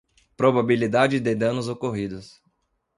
Probabilidade de danos ocorridos.